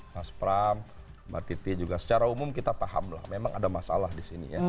mas pram mbak titi juga secara umum kita paham lah memang ada masalah di sini ya